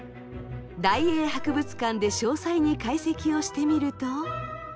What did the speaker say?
大英博物館で詳細に解析をしてみると。